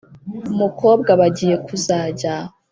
mukobwa bagiye kuzajya